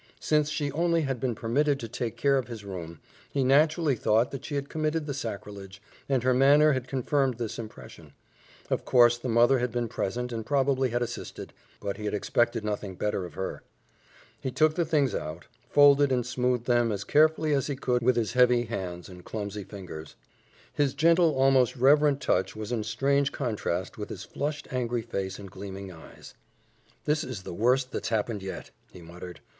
Since she only had been permitted to take care of his room, he naturally thought that she had committed the sacrilege, and her manner had confirmed this impression. Of course, the mother had been present and probably had assisted; but he had expected nothing better of her. He took the things out, folded and smoothed them as carefully as he could with his heavy hands and clumsy fingers. His gentle, almost reverent touch was in strange contrast with his flushed, angry face and gleaming eyes. "This is the worst that's happened yet," he muttered.